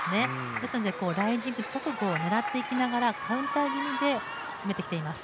ですのでライジング狙っていきながらカウンター気味で攻めてきています。